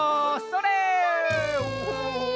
それ！